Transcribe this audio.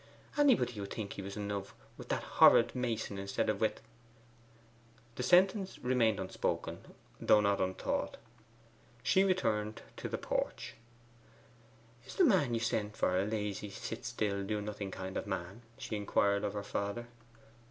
'Anybody would think he was in love with that horrid mason instead of with ' The sentence remained unspoken, though not unthought. She returned to the porch. 'Is the man you sent for a lazy, sit still, do nothing kind of man?' she inquired of her father.